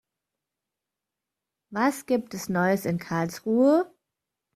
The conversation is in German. Was gibt es Neues in Karlsruhe?